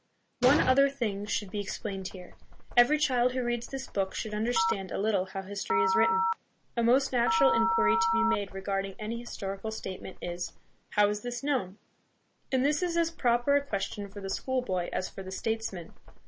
One other thing should be explained here. Every child who reads this book should understand a little how history is written. A most nat ural inquiry to be made regarding any historical state ment is, "How is this known?" And this is as proper a question for the school boy as for the statesman.